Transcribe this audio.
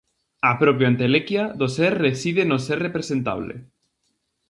A propia entelequia do ser reside no ser representable.